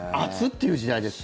ていう時代ですよ。